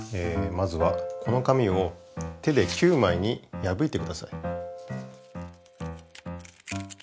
まずはこの紙を手で９枚にやぶいてください。